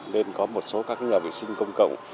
nên có một số các nhà vệ sinh công cộng